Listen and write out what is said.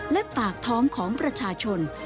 และปากท้องของประชาชน